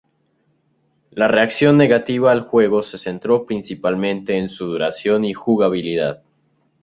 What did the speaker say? La reacción negativa al juego se centró principalmente en su duración y jugabilidad.